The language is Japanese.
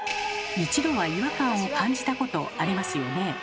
一度は違和感を感じたことありますよね？